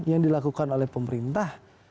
yang dilakukan oleh pemerintah